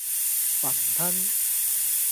餛飩